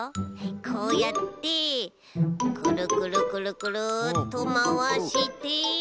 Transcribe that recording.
こうやってくるくるくるくるっとまわして。